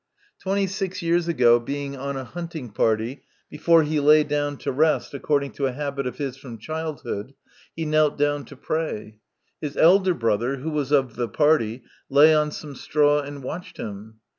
Twenty six years ago, being on a hunting party, before he lay down to rest, according to a habit of his from childhood, he knelt down to pray. His elder brother, who was of the party, lay on some straw and watched him.